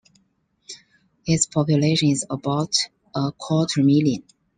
Its population is about a quarter million.